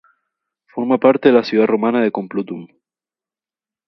Forma parte de la ciudad romana de Complutum.